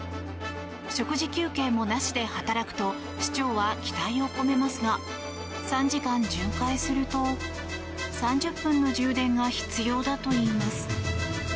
食事休憩もなしで働くと市長は期待を込めますが３時間巡回すると３０分の充電が必要だといいます。